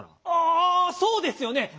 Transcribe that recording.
ああそうですよね。